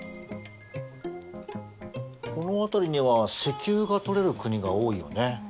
この辺りには石油がとれる国が多いよね。